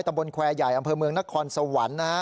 ตำบลแควร์ใหญ่อำเภอเมืองนครสวรรค์